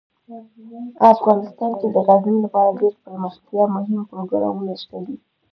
افغانستان کې د غزني لپاره ډیر دپرمختیا مهم پروګرامونه شته دي.